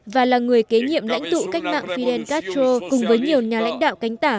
và là người kế nhiệm lãnh tụ cách mạng fidel castro cùng với nhiều nhà lãnh đạo cánh tả